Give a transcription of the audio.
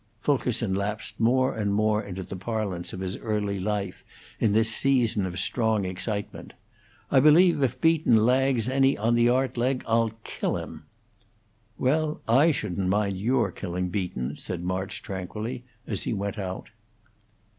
Fulkerson lapsed more and more into the parlance of his early life in this season of strong excitement. "I believe if Beaton lags any on the art leg I'll kill him." "Well, I shouldn't mind your killing Beaton," said March, tranquilly, as he went out.